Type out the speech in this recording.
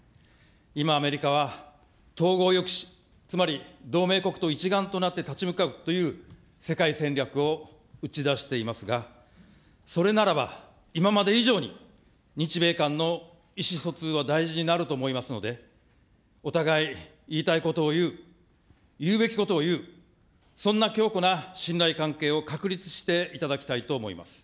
今、アメリカは統合抑止、つまり、同盟国と一丸となって立ち向かうという世界戦略を打ち出していますが、それならば、今まで以上に日米間の意思疎通が大事になると思いますので、お互い、言いたいことを言う、言うべきことを言う、そんな強固な信頼関係を確立していただきたいと思います。